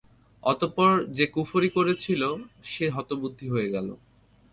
অতঃপর যে কুফরী করেছিল, সে হতবুদ্ধি হয়ে গেল।